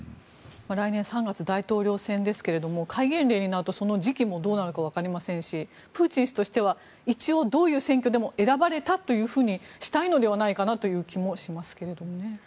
来年３月は大統領選挙ですが戒厳令になると、その時期もどうなるか分かりませんしプーチン氏としては一応、どんな選挙でも選ばれたというふうにしたいのではないかとも思いますけどね。